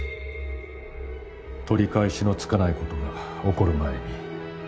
取り返しのつかないことが起こる前に。